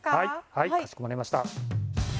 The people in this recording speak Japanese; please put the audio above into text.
はいかしこまりました。